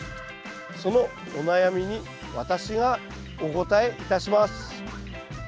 そのお悩みに私がお答えいたします。